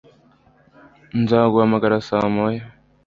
Nzaguhamagara saa moya